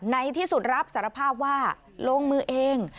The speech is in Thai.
ในที่สุดรับสารภาพว่าลงมือเอง